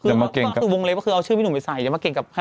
อย่ามาเก่งกับคือวงเล็กว่าคือเอาชื่อพี่หนุ่มไปใส่อย่ามาเก่งกับ